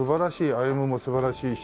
「あゆむ」も素晴らしいし。